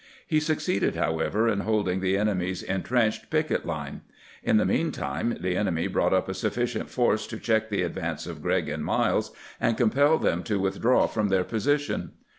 He succeeded, however, in holding the enemy's intrenched picket line. In the mean time the enemy brought up a sufficient force to check the advance of Grregg and Miles and compel them to withdraw from their position.